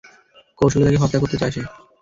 কৌশলে তাকে হত্যা করতে চায় সে।